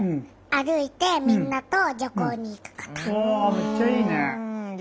めっちゃいいね！